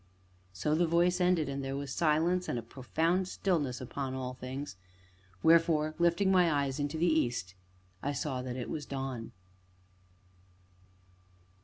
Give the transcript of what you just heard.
So the voice ended, and there were silence and a profound stillness upon all things; wherefore, lifting my eyes unto the east, I saw that it was dawn.